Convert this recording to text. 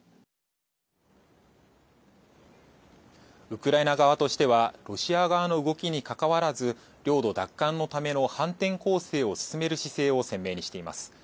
ウクライナ側としてはロシア側の動きにかかわらず領土奪還のための反転攻勢を進める姿勢を鮮明にしています。